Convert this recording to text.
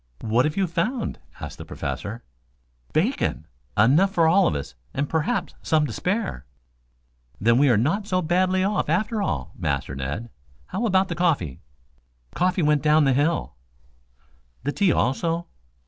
"What have you found?" asked the Professor. "Bacon. Enough for all of us and perhaps some to spare." "Then, we are not so badly off after all, Master Ned. How about the coffee?" "Coffee went down the hill." "The tea also?"